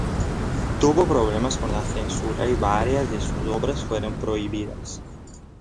Tuvo problemas con la censura y varias de sus obras fueron prohibidas.